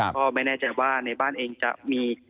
ก็ไม่แน่ใจว่าในบ้านเองจะมี